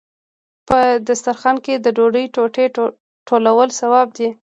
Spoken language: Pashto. په دسترخان کې د ډوډۍ ټوټې ټولول ثواب دی.